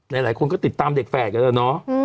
หลายคนก็ติดตามเด็กแฝดกันแล้วเนาะ